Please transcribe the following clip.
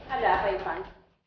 ada apa ivan